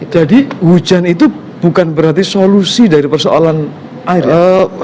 jadi hujan itu bukan berarti solusi dari persoalan air ya